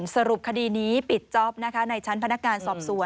สรุปคดีนี้ปิดจอบนะคะในชั้นพนักการสอบส่วน